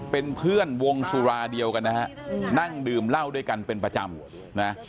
เป็นเพื่อนวงสุราเดียวกันนะฮะนั่งดื่มเหล้าด้วยกันเป็นประจำนะ